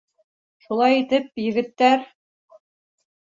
Шулай итеп, егеттәр...